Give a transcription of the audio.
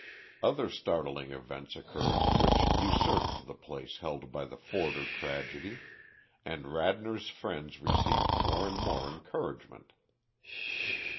Other startling events occurred which usurped the place held by the Forder tragedy, and Radnor's friends received more and more encouragement.